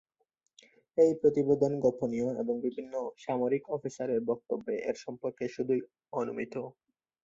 এই প্রতিবেদন গোপনীয় এবং বিভিন্ন সামরিক অফিসারের বক্তব্যে এর সম্পর্কে শুধুই অনুমিত।